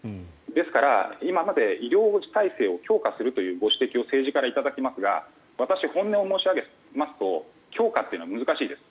ですから今まで医療体制を強化するというご指摘を政治から頂きますが私、本音を申し上げますと強化は難しいです。